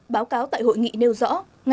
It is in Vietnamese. báo cáo tại hội nghị nêu rõ